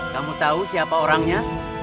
kamu tau siapa orangnya